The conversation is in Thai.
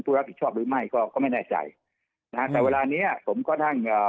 ผู้รับผิดชอบหรือไม่ก็ก็ไม่แน่ใจนะฮะแต่เวลานี้ผมก็ทั้ง